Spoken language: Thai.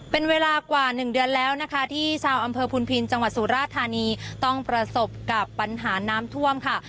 เป็นเวลากว่า๑เดือนแล้วนะคะที่ชาวอำเภอพุนพินจังหวัดสุราธานีต้องประสบกับปัญหาน้ำท่วมค่ะ